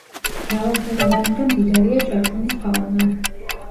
მრავალფეროვანი და მდიდარია ჭაჭუნის ფაუნა.